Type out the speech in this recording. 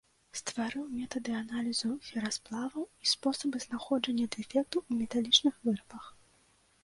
Стварыў метады аналізу ферасплаваў і спосабы знаходжання дэфектаў у металічных вырабах.